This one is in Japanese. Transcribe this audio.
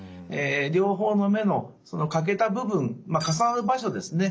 両方の目の欠けた部分重なる場所ですね